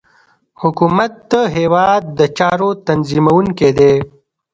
حکومت د هیواد د چارو تنظیمونکی دی